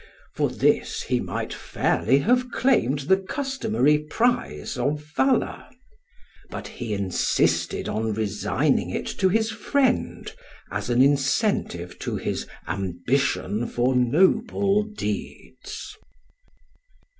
For this he might fairly have claimed the customary prize of valour; but he insisted on resigning it to his friend, as an incentive to his "ambition for noble deeds."